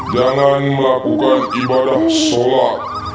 jangan melakukan ibadah sholat